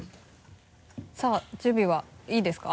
さぁ準備はいいですか？